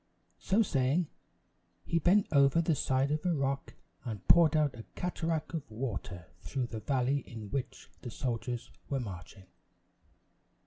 So saying, he bent over the side of a rock and poured out a cataract of water through the valley in which the soldiers were marching.